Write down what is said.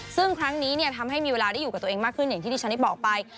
ซึ่งครั้งนี้ทำให้มีเวลาได้อยู่กับตัวเองมากขึ้นอย่างที่ที่ฉันได้บอกไป